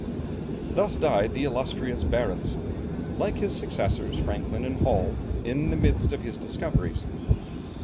Thus died the illustrious Barentz, like his successors Franklin and Hall, in the midst of his discoveries.